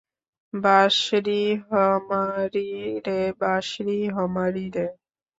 বাঁশরী হমারি রে, বাঁশরী হমারি রে!